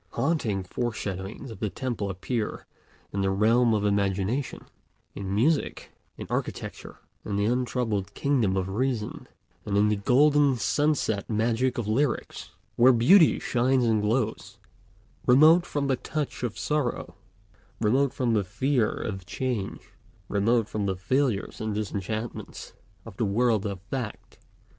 Haunting foreshadowings of the temple appear in the realm of imagination, in music, in architecture, in the untroubled kingdom of reason, and in the golden sunset magic of lyrics, where beauty shines and glows, remote from the touch of sorrow, remote from the fear of change, remote from the failures and disenchantments of the world of fact.